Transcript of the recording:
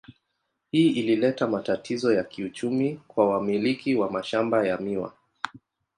Hii ilileta matatizo ya kiuchumi kwa wamiliki wa mashamba ya miwa.